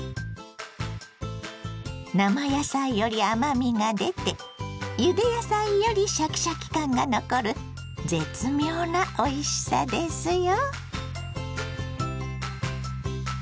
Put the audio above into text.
生野菜より甘みが出てゆで野菜よりシャキシャキ感が残る絶妙なおいしさですよ。